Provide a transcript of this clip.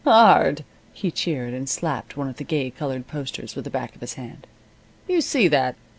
"Hard!" he jeered, and slapped one of the gay colored posters with the back of his hand. "You see that!